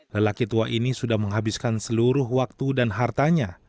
lelaki tua ini sudah menghabiskan seluruh waktu dan hartanya